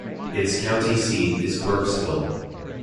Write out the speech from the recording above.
Its county seat is Burkesville.